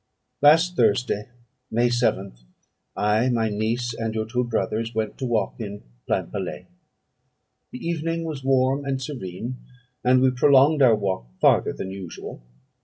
"Last Thursday (May 7th), I, my niece, and your two brothers, went to walk in Plainpalais. The evening was warm and serene, and we prolonged our walk farther than usual.